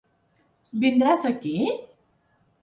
Vindràs aquí?